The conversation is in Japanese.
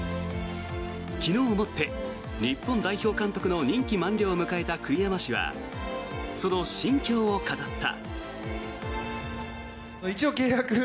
昨日をもって日本代表監督の任期満了を迎えた栗山氏はその心境を語った。